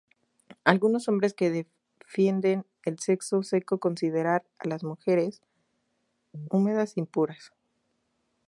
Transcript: Algunos hombres que defienden el sexo seco consideran a las mujeres "húmedas" impuras.